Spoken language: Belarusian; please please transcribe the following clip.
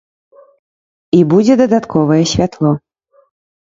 І будзе дадатковае святло.